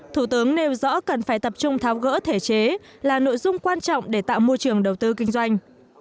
thủ tướng nêu rõ cần phải tập trung tháo gỡ thể chế là nội dung quan trọng để tạo môi trường đầu tư kinh doanh